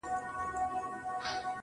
موږ د تاوان په کار کي یکایک ده ګټه کړې,